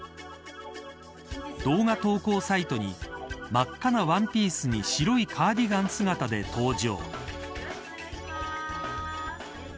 動画投稿サイトに真っ赤なワンピースに白いカーディガン姿で登場。